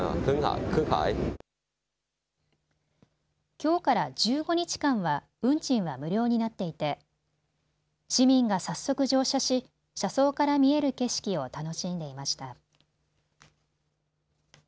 きょうから１５日間は運賃が無料になっていて市民が早速、乗車し、車窓から見える景色を楽しんでいました。